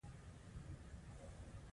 د اخیستل شویو پیسو ځای نورې پیسې نیسي